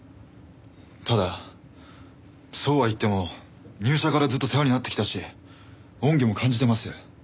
ただそうは言っても入社からずっと世話になってきたし恩義も感じてます。